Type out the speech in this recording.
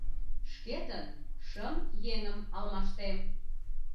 Шкетын шым еҥым алмаштем».